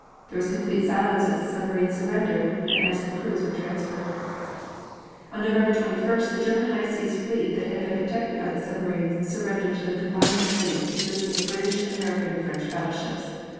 There was complete silence as the submarines surrendered and as the crews were transferred. On November 21st, the German High Seas fleet that had been protected by the submarines surrendered to the combined fleet consisting of British, American and French battleships.